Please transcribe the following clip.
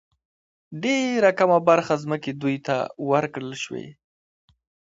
ډېره کمه برخه ځمکې دوی ته ورکړل شوې.